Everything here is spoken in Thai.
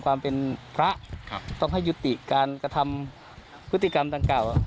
ความเป็นพระต้องให้ยุติการกระทำพฤติกรรมดังกล่าว